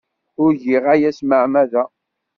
Ur giɣ aya s tmeɛmada.